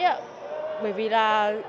bởi vì là